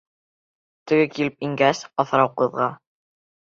Теге килеп ингәс, аҫрау ҡыҙға: